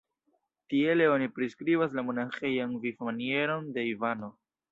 Tiele oni priskribas la monaĥejan vivmanieron de Ivano.